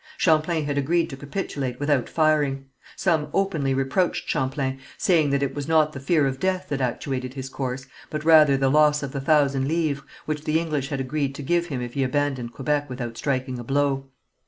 Champlain had agreed to capitulate without firing. Some openly reproached Champlain, saying that it was not the fear of death that actuated his course, but rather the loss of the thousand livres, which the English had agreed to give him if he abandoned Quebec without striking a blow.